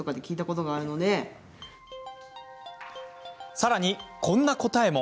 さらに、こんな答えも。